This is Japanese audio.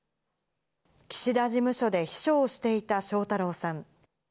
岸田事務所で秘書をしていた翔太郎さん。